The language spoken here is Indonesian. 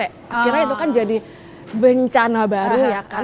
akhirnya itu kan jadi bencana baru ya kan